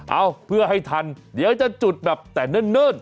เอาเพื่อให้ทันเดี๋ยวจะจุดแบบแต่เนิ่น